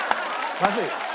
まずい？